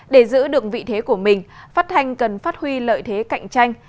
để giữ được vị thế của mình phát thanh cần phát huy lợi thế cạnh tranh